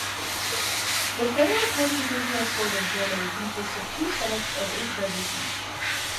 The Federal Constitutional Court of Germany consists of two senates of eight judges each.